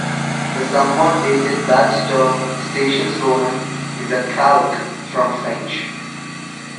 The somewhat dated, Dutch term 'stationsroman' is a calque from French.